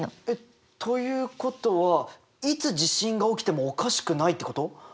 えっ！ということはいつ地震が起きてもおかしくないってこと？